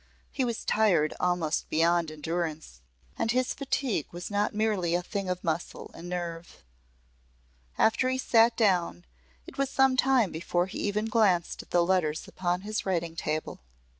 He was tired almost beyond endurance, and his fatigue was not merely a thing of muscle and nerve. After he sat down it was some time before he even glanced at the letters upon his writing table.